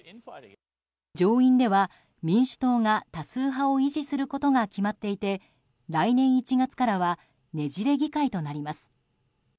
上院では、民主党が多数派を維持することが決まっていて来年１月からはねじれ議会となります。